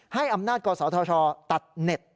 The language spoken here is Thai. ให้อำนาจกรสาวทชตัดเน็ต